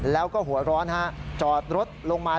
แล้วก็หัวร้อนฮะจอดรถลงมา